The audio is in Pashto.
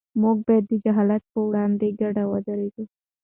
موږ باید د جهالت پر وړاندې په ګډه ودرېږو.